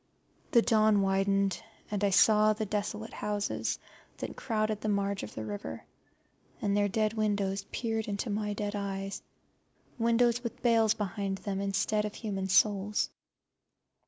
The dawn widened, and I saw the desolate houses that crowded the marge of the river, and their dead windows peered into my dead eyes, windows with bales behind them instead of human souls.